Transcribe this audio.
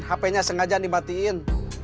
hape nya sengaja dibatiin